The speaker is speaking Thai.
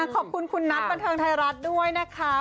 ขอบคุณคุณนัทบันเทิงไทยรัฐด้วยนะคะ